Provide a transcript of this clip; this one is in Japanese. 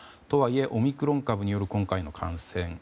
とはいえ、オミクロン株による今回の感染。